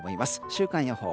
週間予報。